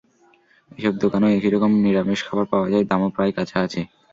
এসব দোকানেও একই রকম নিরামিষ খাবার পাওয়া যায়, দামও প্রায় কাছাকাছি।